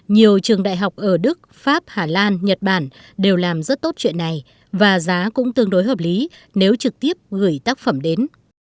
nhiều trường đại học ở đức pháp hà lan nhật bản đều làm rất tốt chuyện này và giá cũng tương đối hợp lý nếu trực tiếp gửi tác phẩm đến